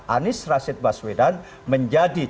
anies rashid baswedan menjadi